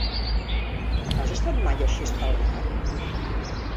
Has estat mai a Xestalgar?